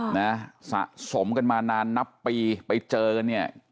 นะสะสมกันมานานนับปีไปเจอเนี่ย